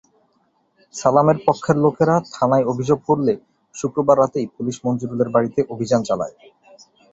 সালামের পক্ষের লোকেরা থানায় অভিযোগ করলে শুক্রবার রাতেই পুলিশ মঞ্জুরুলের বাড়িতে অভিযান চালায়।